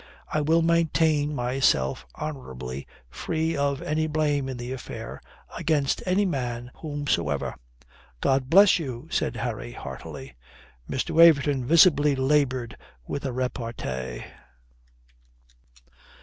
I will maintain myself honourably free of any blame in the affair against any man whomsoever." "God bless you," said Harry heartily. Mr. Waverton visibly laboured with a repartee.